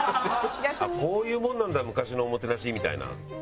こういうもんなんだ昔のおもてなしみたいな。